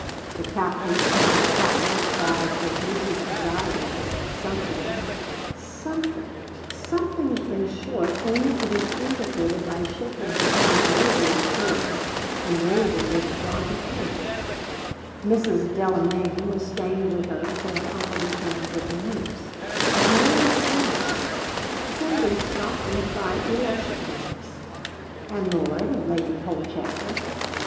The captain, in reply, described his niece's anxiety as something something something, in short, only to be indicated by shaking his ambrosial curls and waving his jaunty cane. Mrs. Delamayn was staying with her until her uncle returned with the news. And where was Julius? Detained in Scotland by election business. And Lord and Lady Holchester?